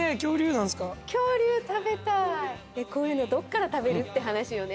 こういうのどこから食べる？って話よね。